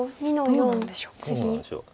どうなんでしょう。